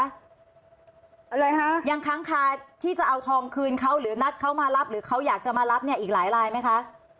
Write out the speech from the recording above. อะไรคะยังค้างคาที่จะเอาทองคืนเขาหรือนัดเขามารับหรือเขาอยากจะมารับเนี่ยอีกหลายลายไหมคะ